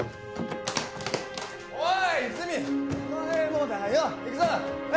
おい泉お前もだよ。行くぞヘイ。